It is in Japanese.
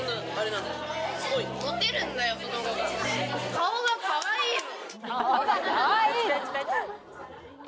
顔がかわいいの！